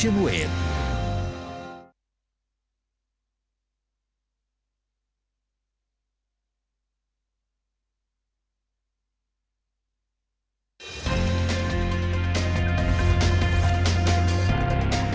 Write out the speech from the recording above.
di kcn indonesia insiders